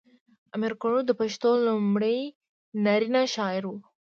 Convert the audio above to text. امیر کروړ د پښتو لومړی نرینه شاعر و .